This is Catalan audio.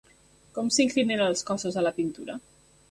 Com s'inclinen els cossos a la pintura?